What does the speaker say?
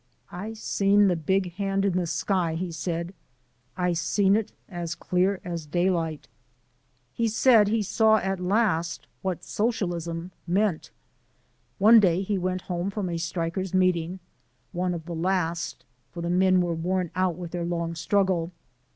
"I seen the big hand in the sky," he said, "I seen it as clear as daylight." He said he saw at last what Socialism meant. One day he went home from a strikers' meeting one of the last, for the men were worn out with their long struggle.